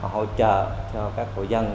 hỗ trợ cho các hộ dân